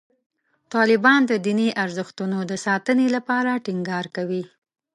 طالبان د دیني ارزښتونو د ساتنې لپاره ټینګار کوي.